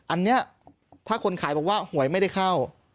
อันนี้ถ้าคนขายบอกว่าหวยไม่ได้เข้า